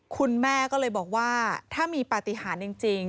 คุณแม่ก็เลยบอกว่าถ้ามีปฏิหารจริง